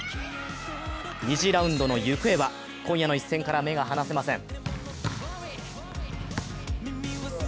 ２次ラウンドの行方は、今夜の一戦から目が離せません。